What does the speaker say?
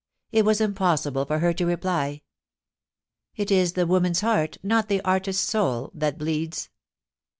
It was impossible for her to reply, * It is the woman's heart, not the artist's soul, that bleeds.'